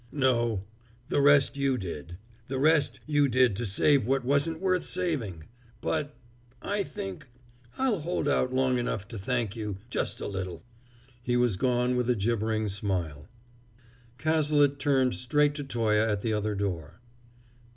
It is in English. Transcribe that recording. "No the rest you did the rest you did to save what wasn't worth saving! But I think I'll hold out long enough to thank you just a little!" He was gone with a gibbering smile. Cazalet turned straight to Toye at the other door.